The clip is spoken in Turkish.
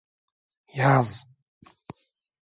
Yaz…